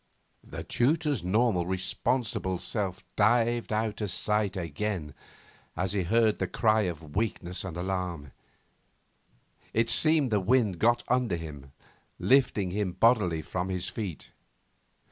The tutor's normal and responsible self dived out of sight again as he heard the cry of weakness and alarm. It seemed the wind got under him, lifting him bodily from his feet.